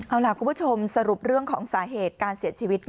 เอาล่ะคุณผู้ชมสรุปเรื่องของสาเหตุการเสียชีวิต